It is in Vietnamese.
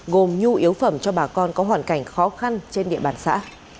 gồm nhu yếu phẩm cho bà con có hoàn cảnh khó khăn trên địa bàn xã